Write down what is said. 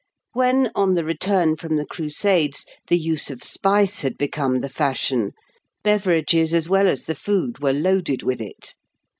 When, on the return from the Crusades, the use of spice had become the fashion, beverages as well as the food were loaded with it.